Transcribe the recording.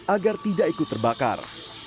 agar tidak ikut terbakar